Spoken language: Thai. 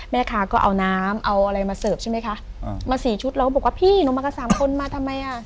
แม่ค้าก็เอาน้ำเอาอะไรมาเสิร์ฟใช่ไหมคะมาสี่ชุดเราก็บอกว่าพี่หนูมากันสามคนมาทำไมอ่ะ